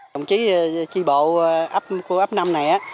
công chí tri bộ của ấp năm này